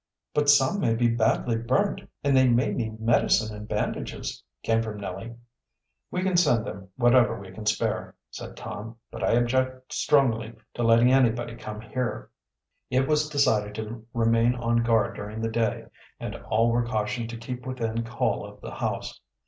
"But some may be badly burnt, and they may need medicine and bandages," came from Nellie. "We can send them whatever we can spare," said Tom. "But I object strongly to letting anybody come here." It was decided to remain on guard during the day, and all were cautioned to keep within call of the house.